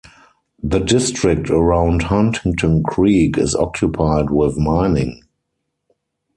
The district around Huntington Creek is occupied with mining.